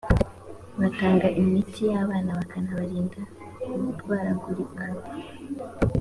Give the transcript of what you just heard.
batanga imitiyabana bakanabarinda kurwaragurika .